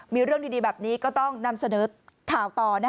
มีเรื่องดีแบบนี้ก็ต้องนำเสนอข่าวต่อ